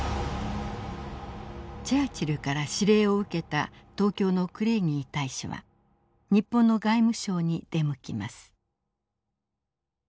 チャーチルから指令を受けた東京のクレイギー大使は日本の外務省に出向きます。